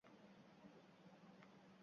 Rostini aytsam, hatto so'zlarim ham yo'q